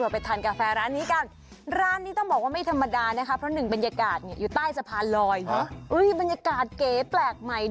ไปถึงใต้สะพานข้ามแม่นำเจ้าพระยา